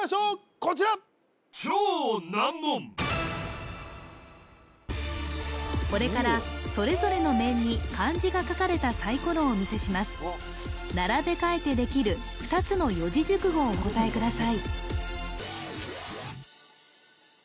こちらこれからそれぞれの面に漢字が書かれたサイコロをお見せします並べ替えてできる２つの四字熟語をお答えください